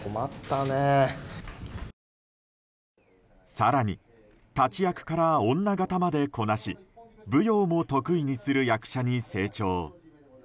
更に、立役から女形までこなし舞踊も得意にする役者に成長。